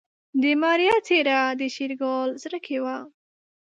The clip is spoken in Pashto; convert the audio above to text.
د ماريا څېره د شېرګل زړه کې وه.